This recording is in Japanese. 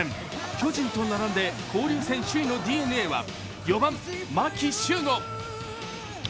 巨人と並んで交流戦首位のＤｅＮＡは、４番・牧秀悟。